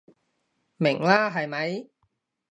明啦係咪？